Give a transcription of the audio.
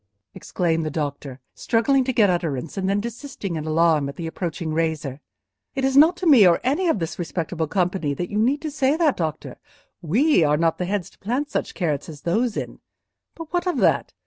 exclaimed the doctor, struggling to get utterance, and then desisting in alarm at the approaching razor. "It is not to me, or any of this respectable company, that you need to say that, doctor. We are not the heads to plant such carrots as those in. But what of that?